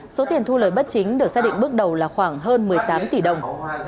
số tiền thu lời bất chính được xác định bước đầu là khoảng hơn một mươi tám tỷ đồng